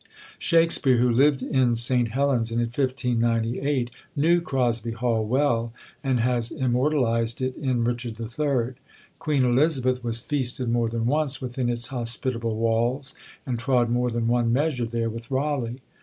Shakespeare, who lived in St Helen's in 1598, knew Crosby Hall well, and has immortalised it in "Richard III."; Queen Elizabeth was feasted more than once within its hospitable walls, and trod more than one measure there with Raleigh.